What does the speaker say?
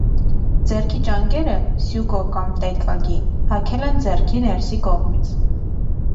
Ձեռքի ճանկերը (սյուկո կամ տեկագի) հագել են ձեռքի ներսի կողմից։